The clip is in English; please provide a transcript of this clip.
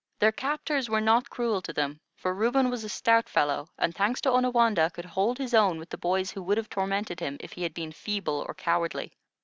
Their captors were not cruel to them, for Reuben was a stout fellow, and, thanks to Onawandah, could hold his own with the boys who would have tormented him if he had been feeble or cowardly.